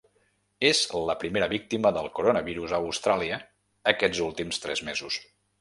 És la primera víctima del coronavirus a Austràlia aquests últims tres mesos.